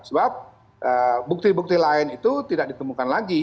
sebab bukti bukti lain itu tidak ditemukan lagi